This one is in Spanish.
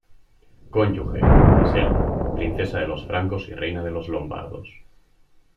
Cónyuge: Gisela: Princesa de los Francos y Reina de los Lombardos.